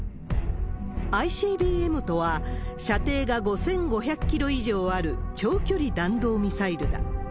ＩＣＢＭとは、射程が５５００キロ以上ある長距離弾道ミサイルだ。